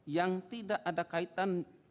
yang tidak ada kaitan